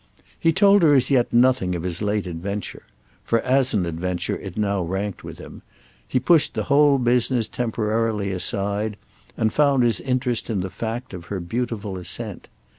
He told her as yet nothing of his late adventure—for as an adventure it now ranked with him; he pushed the whole business temporarily aside and found his interest in the fact of her beautiful assent.